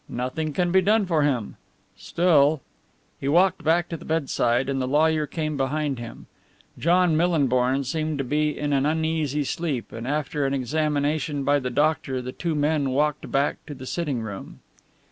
Nothing can be done for him. Still " He walked back to the bedside, and the lawyer came behind him. John Millinborn seemed to be in an uneasy sleep, and after an examination by the doctor the two men walked back to the sitting room.